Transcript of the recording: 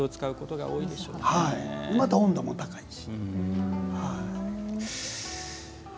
また、温度も高いし。